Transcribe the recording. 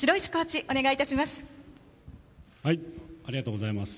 ありがとうございます。